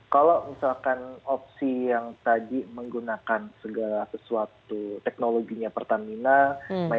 kalau misalkan opsi yang tadi menggunakan segala sesuatu teknologinya pertamina